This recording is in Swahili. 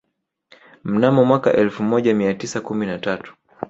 Mnamo mwaka wa elfu moja mia tisa kumi na tatu